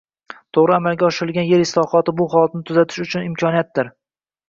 To‘g‘ri amalga oshirilgan yer islohoti bu holatni tuzatish uchun imkoniyatdir.